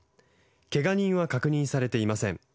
怪我人は確認されていません。